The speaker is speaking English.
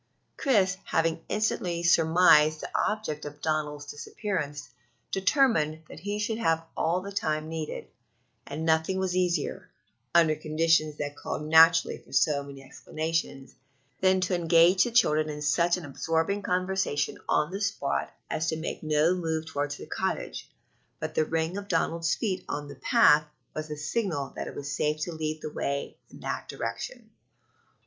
Chris, having instantly surmised the object of Donald's disappearance, determined that he should have all the time needed; and nothing was easier, under conditions that called naturally for so many explanations, than to engage the children in such an absorbing conversation on the spot as to make no move toward the cottage; but the ring of Donald's feet on the path was the signal that it was safe to lead the way in that direction.